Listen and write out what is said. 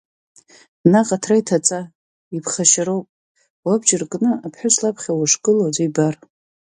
Наҟ аҭра иҭаҵа, иԥхашьароуп, уабџьар кны аԥҳәыс лаԥхьа ушгылоу аӡәы ибар.